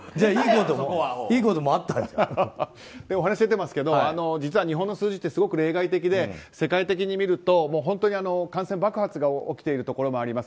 お話出てますが日本の数字ってすごく例外的で世界的に見ると本当に感染爆発が起きているところもあります。